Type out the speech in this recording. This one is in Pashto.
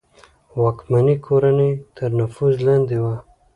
واکمنې کورنۍ تر نفوذ لاندې وه.